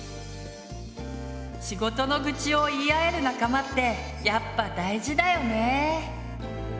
仕事の愚痴を言い合える仲間ってやっぱ大事だよね！